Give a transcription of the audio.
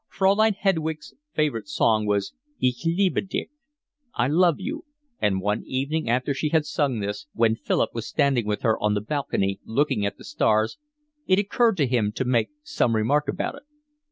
Fraulein Hedwig's favourite song was called Ich liebe dich, I love you; and one evening after she had sung this, when Philip was standing with her on the balcony, looking at the stars, it occurred to him to make some remark about it.